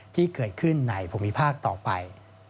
ที่เกิดขึ้นในภูมิภาคต่อไป